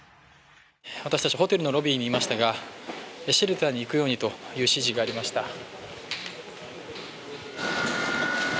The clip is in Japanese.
私たちホテルのロビーにいましたが、シェルターに行くようにという指示がありました。